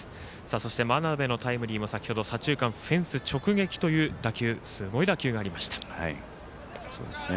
そして、真鍋のタイムリーも左中間、フェンス直撃というすごい打球もありました。